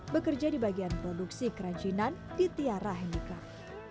bekerja di bagian produksi kerajinan di tiara handicraft